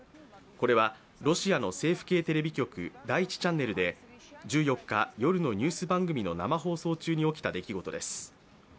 これはロシアの政府系テレビ局第１チャンネルで１４日夜のニュース番組の生放送中に起きた出来事です。